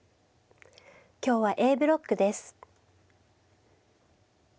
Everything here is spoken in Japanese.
今日はＡブロックです。